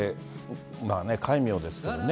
戒名ですけどね。